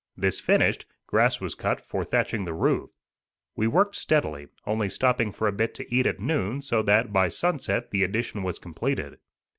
This finished, grass was cut for thatching the roof. We worked steadily, only stopping for a bit to eat at noon, so that, by sunset, the addition was completed.